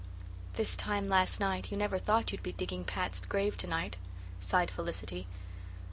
"This time last night you never thought you'd be digging Pat's grave to night," sighed Felicity.